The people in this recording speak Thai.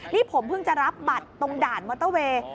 นี่ผมเพิ่งจะรับบัตรตรงด่านมอเตอร์เวย์